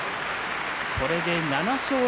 これで７勝目。